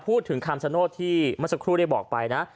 พูดถึงคำสะโน้ดที่เมื่อสักครู่ได้บอกไปนะ